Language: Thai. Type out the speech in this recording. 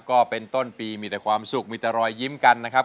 ก็เป็นต้นปีมีแต่ความสุขมีแต่รอยยิ้มกันนะครับ